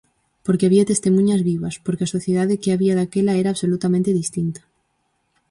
Porque había testemuñas vivas, porque a sociedade que había daquela era absolutamente distinta.